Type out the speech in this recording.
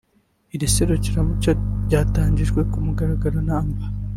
iri serukiramuco ryatangijwe ku mugaragaro na Amb